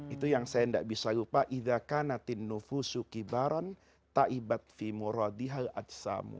itu yang saya tidak bisa lupa